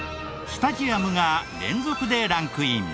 スタジアムが連続でランクイン。